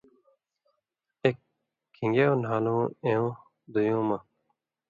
ایک کھِن٘گیاؤ نھالُوں اېوں دُویُوں مہ